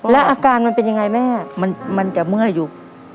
แล้วอาการมันเป็นยังไงแม่มันจะเมื่อยอยู่